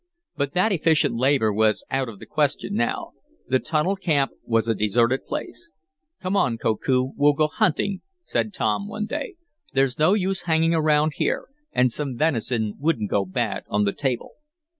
But that efficient labor was out of the question now. The tunnel camp was a deserted place. "Come on, Koku, we'll go hunting," said Tom one day. "There's no use hanging around here, and some venison wouldn't go bad on the table."